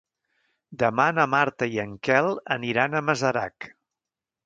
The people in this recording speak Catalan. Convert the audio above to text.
Demà na Marta i en Quel aniran a Masarac.